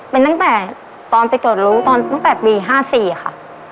เป็นตั้งแต่ตอนไปตรวจรู้ตอนตั้งแต่ปี๕๔ค่ะ